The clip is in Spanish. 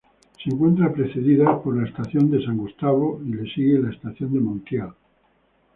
Se encuentra precedida por la Estación San Gustavo y le sigue Estación Montiel.